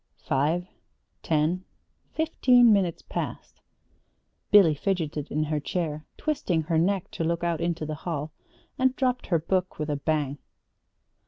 Five, ten, fifteen minutes passed. Billy fidgeted in her chair, twisted her neck to look out into the hall and dropped her book with a bang.